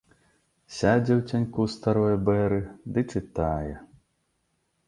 Сядзе ў цяньку старое бэры ды чытае.